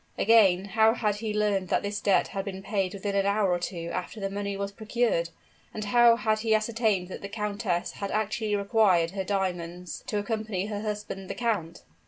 Again, how had he learned that this debt had been paid within an hour or two after the money was procured? and how had he ascertained that the countess had actually required her diamonds to accompany her husband the count?